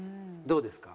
どうですか？